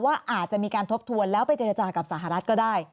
ว่าอาจจะมีการทบทวนแล้วไปเจรจากับสหรัฐก็ได้